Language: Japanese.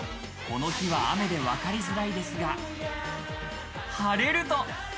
この日は雨でわかりづらいですが、晴れると。